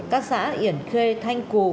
các xã yển khê thanh cù